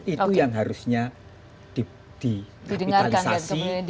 itu yang harusnya dikapitalisasi